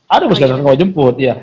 ada yang puskesmas gak mau dijemput